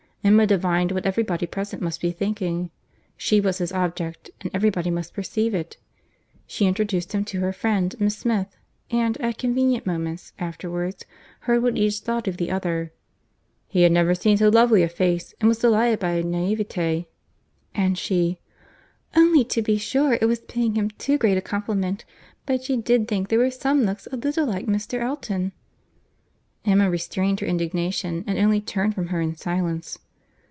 Emma divined what every body present must be thinking. She was his object, and every body must perceive it. She introduced him to her friend, Miss Smith, and, at convenient moments afterwards, heard what each thought of the other. "He had never seen so lovely a face, and was delighted with her naïveté." And she, "Only to be sure it was paying him too great a compliment, but she did think there were some looks a little like Mr. Elton." Emma restrained her indignation, and only turned from her in silence.